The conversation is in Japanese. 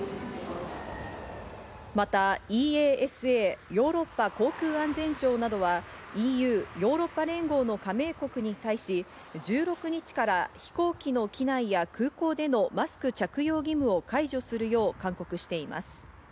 また、ＥＡＳＡ＝ヨーロッパ航空安全庁などはＥＵ＝ヨーロッパ連合の加盟国に対し、１６日から飛行機の機内や空港でのマスク着用義務を解除するよう、勧告しています。